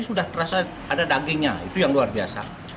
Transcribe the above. ini sudah ada dagingnya tapi sudah terasa ada dagingnya itu yang luar biasa